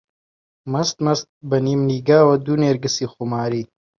مەست مەست بە نیمنیگاوە، دوو نێرگسی خوماری